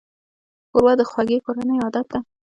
ښوروا د خوږې کورنۍ عادت ده.